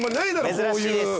珍しいです。